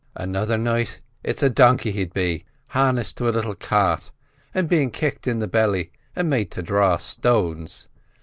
Another night it's a dunkey he'd be, harnessed to a little cart, an' bein' kicked in the belly and made to draw stones.